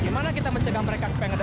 ini berapa nih